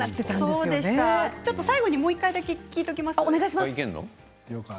最後にもう１回だけ聴いときますか。